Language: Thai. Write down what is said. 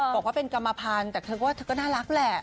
บอกว่าเป็นกรรมภัณฑ์แต่เธอก็น่ารักแหละ